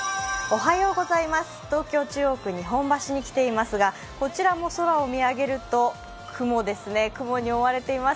東京・中央区日本橋に来ていますが、こちらも空を見上げると雲ですね、雲に覆われています。